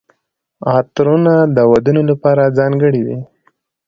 عطرونه د ودونو لپاره ځانګړي وي.